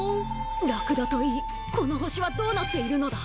ラクダといいこの星はどうなっているのだ。